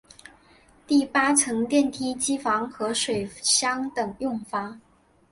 第八层是电梯机房和水箱等用房。